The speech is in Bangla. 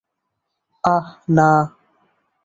আহ, না।